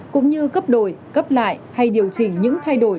cũng như cấp đổi cấp lại hay điều chỉnh những thay đổi